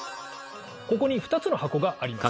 ここに２つの箱があります。